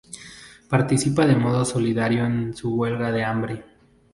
Participa de modo solidario en su huelga de hambre.